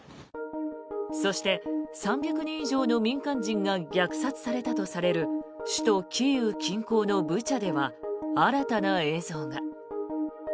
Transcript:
そして３００人以上の民間人が虐殺されたとされる首都キーウ近郊のブチャでは新たな映像が。